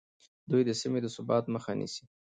دوی د سیمې د ثبات مخه نیسي